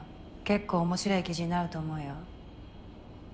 結構面白い記事になると思うよ。